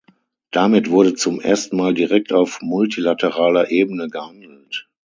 Damit wurde zum ersten Mal direkt auf multilateraler Ebene gehandelt.